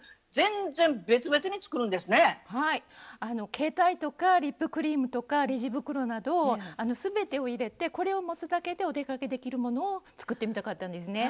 携帯とかリップクリームとかレジ袋など全てを入れてこれを持つだけでお出かけできるものを作ってみたかったんですね。